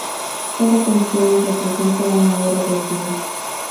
Cada canción representa una hora del día.